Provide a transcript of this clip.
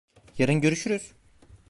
Yarın görüşürüz.